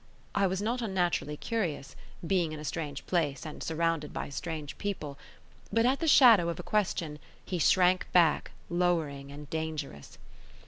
I was not unnaturally curious, being in a strange place and surrounded by staring people; but at the shadow of a question, he shrank back, lowering and dangerous.